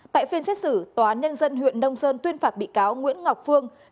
tại phiên xét xử tòa án nhân dân huyện nông sơn tuyên phạt bị cáo nguyễn ngọc phương